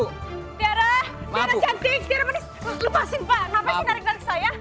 tiara tiara cantik tiara manis lu pasin pak kenapa sih narik narik saya